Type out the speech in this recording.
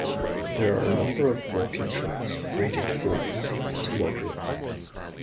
There are a number of walking tracks graded from easy to moderate.